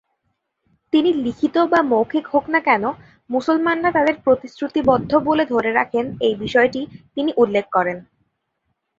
তিনি লিখিত বা মৌখিক হোক না কেন মুসলমানরা তাদের প্রতিশ্রুতিবদ্ধ বলে ধরে রাখেন এই বিষয়টি তিনি উল্লেখ করেন।